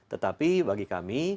tetapi bagi kami